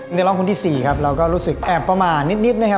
ในร้องคนที่๔ครับเราก็รู้สึกแอบประมาณนิดนะครับ